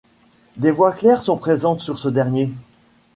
Des voix claires sont présentes sur ce dernier.